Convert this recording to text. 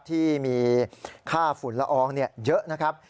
ที่มีค่าฝุ่นละอองเยอะนะครับ